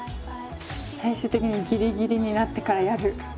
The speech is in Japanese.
「最終的にギリギリになってからやる」。